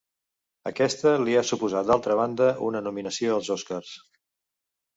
Aquesta li ha suposat d'altra banda una nominació als Oscars.